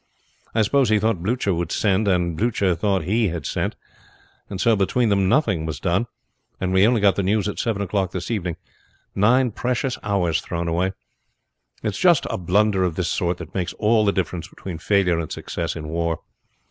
I suppose he thought Blucher would send, and Blucher thought he had sent; and so between them nothing was done, and we only got the news at seven o'clock this evening. Nine precious hours thrown away. It is just a blunder of this sort that makes all the difference between failure and success in war.